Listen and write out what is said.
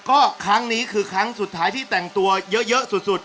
ก็ครั้งนี้คือครั้งสุดท้ายที่แต่งตัวเยอะสุด